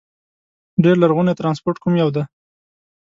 ډېر لرغونی ترانسپورت کوم یو دي؟